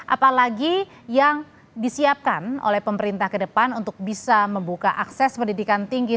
apalagi yang disiapkan oleh pemerintah ke depan untuk bisa membuka akses pendidikan tinggi